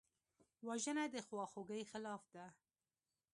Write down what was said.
وژنه د خواخوږۍ خلاف ده